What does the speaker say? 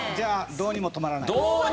『どうにもとまらない』